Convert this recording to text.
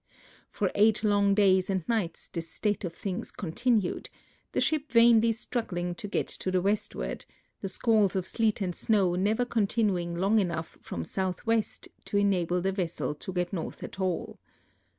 For eight long days and nights this state of things continued, the ship vainly struggling to get to the westward, the s(]ualls of sleet and snow never continuing long enough from southwest to enable the vessel to get north at all.